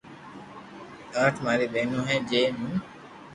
آٺ ماري ٻينو ھي جي مون